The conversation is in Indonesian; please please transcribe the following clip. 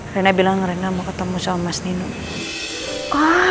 rena bilang rena mau ketemu sama mas nino